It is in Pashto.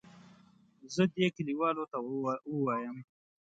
زه دې کلیوالو ته ووایم.